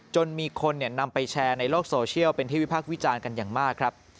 จนมีคนนำไปแชร์ในโลกโซเชียลเป็นที่วิพากษ์วิจารณ์กันอย่างมากครับ